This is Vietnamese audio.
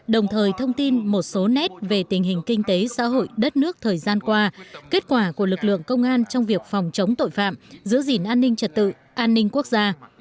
đồng thời thông tin một số nét về tình hình kinh tế xã hội đất nước thời gian qua kết quả của lực lượng công an trong việc phòng chống tội phạm giữ gìn an ninh trật tự an ninh quốc gia